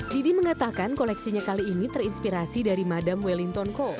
didi mengatakan koleksinya kali ini terinspirasi dari madam wellington cole